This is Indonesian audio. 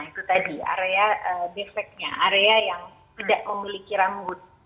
itu tadi area defeknya area yang tidak memiliki rambut